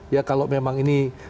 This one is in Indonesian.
ya kalau memang ini